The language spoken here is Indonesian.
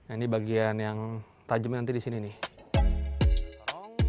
ini bagian yang tajamnya nanti di sini nih